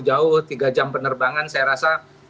jauh tiga jam penerbangan saya rasa